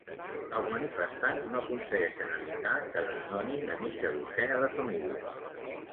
Els manifestants no aconsegueixen evitar que desnonin a mitja dotzena de famílies